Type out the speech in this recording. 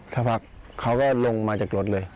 สักพักเขาก็ลงมาจากรถเลย